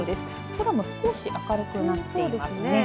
空も少し明るくなっていますね。